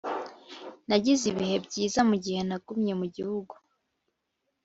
nagize ibihe byiza mugihe nagumye mu gihugu.